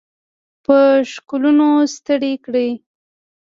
په ښکلونو ستړي کړي